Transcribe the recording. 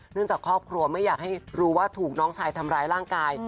จากครอบครัวไม่อยากให้รู้ว่าถูกน้องชายทำร้ายร่างกาย